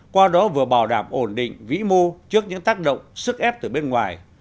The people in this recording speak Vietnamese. qua đó vừa bảo đảm ổn định vĩ mô trước những tác động sức ép từ bên ngoài